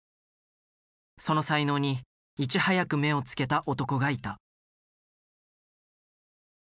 その才能にいち早く目をつけた男がいた。